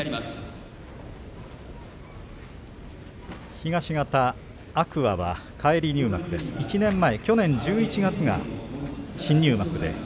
東方天空海は返り入幕１年前、去年１１月には新入幕でした。